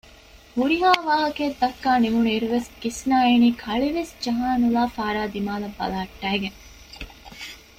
ހުރިހާ ވާހަކައެއް ދައްކާ ނިމުނު އިރުވެސް ގިސްމާ އިނީ ކަޅިވެސް ޖަހާ ނުލާ ފާރާ ދިމާލަށް ބަލަހައްޓައިގެން